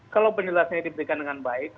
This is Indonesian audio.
kalau penjelasannya diberikan dengan baik